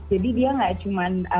jadi dia gak cuman